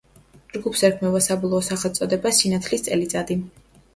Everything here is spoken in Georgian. ჯგუფს ერქმევა საბოლოო სახელწოდება: „სინათლის წელიწადი“.